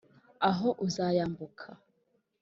aho uzayambuka ?